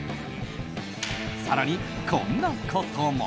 更に、こんなことも。